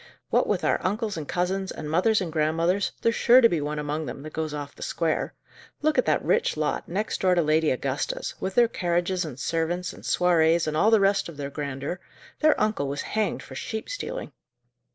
"What with our uncles and cousins, and mothers and grandmothers, there's sure to be one among them that goes off the square. Look at that rich lot, next door to Lady Augusta's, with their carriages and servants, and soirées, and all the rest of their grandeur! their uncle was hanged for sheep stealing."